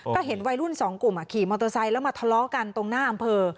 ก็เห็นวัยรุ่นสองกลุ่มขี่มอเตอร์ไซค์แล้วมาทะเลาะกันตรงหน้าอำเภอ